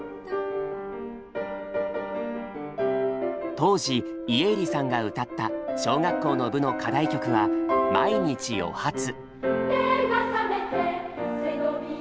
当時家入さんが歌った小学校の部の課題曲は「まいにち『おはつ』」。